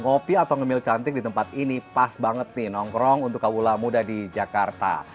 ngopi atau ngemil cantik di tempat ini pas banget nih nongkrong untuk kaula muda di jakarta